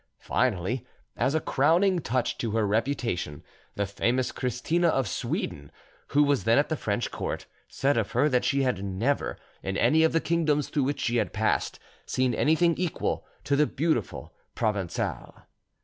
Finally, as a crowning touch to her reputation, the famous Christina of Sweden, who was then at the French court, said of her that she had never, in any of the kingdoms through which she had passed, seen anything equal to "the beautiful Provencale."